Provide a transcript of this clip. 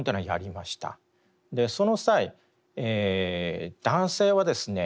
その際男性はですね